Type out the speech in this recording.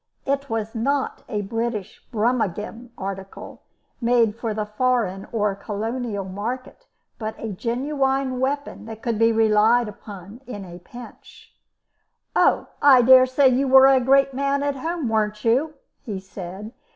It was not a British Brummagem article, made for the foreign or colonial market, but a genuine weapon that could be relied on at a pinch. "Oh, I dare say you were a great man at home, weren't you?" he said.